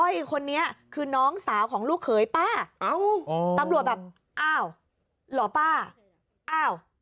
คนนี้คือน้องสาวของลูกเขยป้าอ้าวตำรวจแบบอ้าวเหรอป้าอ้าว